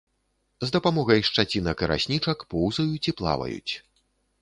З дапамогай шчацінак і раснічак поўзаюць і плаваюць.